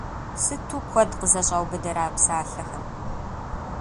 Сыту куэд къызэщӀаубыдэрэ а псалъэхэм!